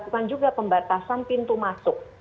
lakukan juga pembatasan pintu masuk